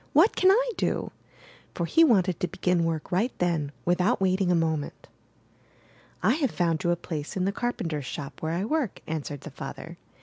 — ^what can I do?'' — for he wanted to begin work right then, without wait ing a moment. 'T have found you a place in the carpenter's shop where I work," answered the father.